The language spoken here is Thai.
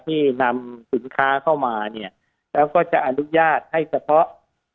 ที่นำสินค้าเข้ามาเนี่ยแล้วก็จะอนุญาตให้เฉพาะ